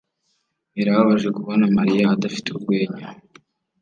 birababaje kubona mariya adafite urwenya